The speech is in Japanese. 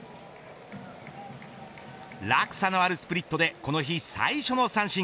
落差のあるスプリットでこの日最初の三振。